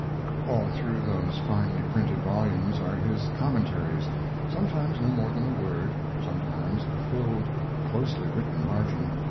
All through those finely printed volumes are his commentaries, sometimes no more than a word, sometimes a filled, closely written margin.